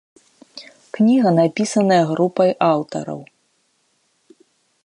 Кніга напісаная групай аўтараў.